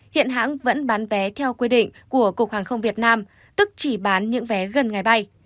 hiện hãng vẫn bán vé theo quy định của cục hàng không việt nam tức chỉ bán những vé gần ngày bay